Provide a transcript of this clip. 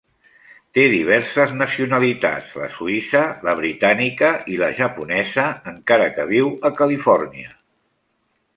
Té diverses nacionalitats, la suïssa, la britànica i la japonesa, encara que viu a Califòrnia.